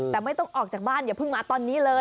แต่ไม่ต้องออกจากบ้านอย่าเพิ่งมาตอนนี้เลย